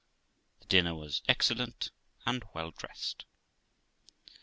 The dinner was excellent, and well dressed.